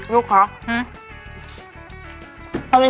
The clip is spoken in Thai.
ลูกครับ